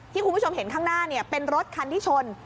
คุณผู้ชมเห็นข้างหน้าเป็นรถคันที่ชน